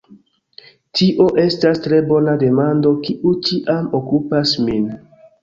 Tio estas tre bona demando, kiu ĉiam okupas min.